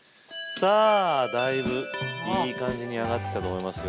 さあだいぶいい感じに揚がってきたと思いますよ。